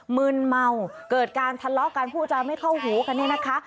มืนเมาเกิดการทะเลาะกันผู้จะไม่เข้าหูกันเนี่ยนะคะ